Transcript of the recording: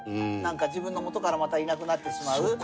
自分の元からいなくなってしまう。